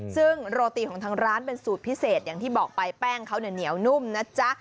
ซึ่งโรตีของทางร้านเป็นสูตรพิเศษอย่างที่บอกไปแป้งเขาเนี่ยเหนียวนุ่มนะจ๊ะ